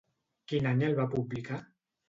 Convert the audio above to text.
Quin any el va publicar?